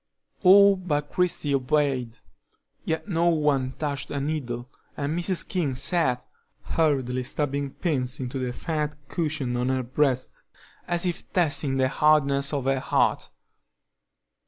All but Christie obeyed, yet no one touched a needle, and Mrs. King sat, hurriedly stabbing pins into the fat cushion on her breast, as if testing the hardness of her heart.